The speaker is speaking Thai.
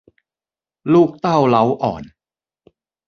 ลูกเต้าเล้าอ่อน